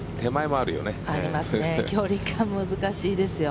距離感が難しいですよ。